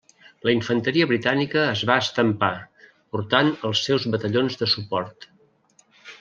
La infanteria britànica es va estampar, portant els seus batallons de suport.